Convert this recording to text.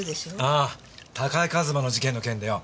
ああ高井和馬の事件の件でよ